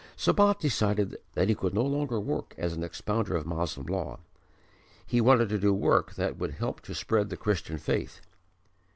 Sabat decided that he could no longer work as an expounder of Moslem law: he wanted to do work that would help to spread the Christian Faith.